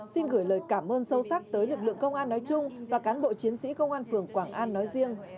xin gửi lời cảm ơn sâu sắc tới lực lượng công an nói chung và cán bộ chiến sĩ công an phường quảng an nói riêng